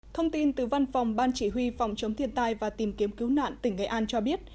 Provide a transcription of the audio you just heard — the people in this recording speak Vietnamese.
thông tin từ văn phòng ban chỉ huy phòng chống thiên tai và tìm kiếm cứu nạn tỉnh nghệ an cho biết